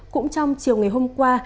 cũng trong chiều ngày hôm qua